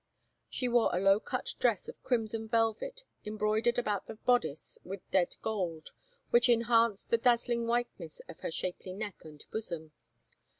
She wore a low cut dress of crimson velvet, embroidered about the bodice with dead gold, which enhanced the dazzling whiteness of her shapely neck and bosom.